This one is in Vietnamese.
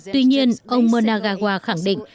tuy nhiên ông mugabe khẳng định